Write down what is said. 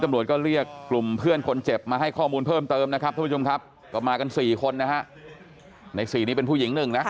ไม่เคยลงจากบ้านเลย